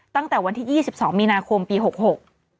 ตั้งแต่วันที่ยี่สิบสองมีนาคมปีหกหก